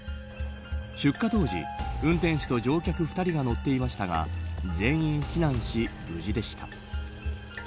出火当時、運転手と乗客２人が乗っていましたが全員避難し無事でした。